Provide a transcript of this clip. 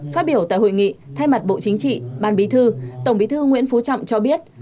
phát biểu tại hội nghị thay mặt bộ chính trị ban bí thư tổng bí thư nguyễn phú trọng cho biết